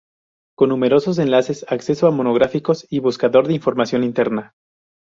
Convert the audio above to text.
Con numerosos enlaces, acceso a monográficos y buscador de información interna.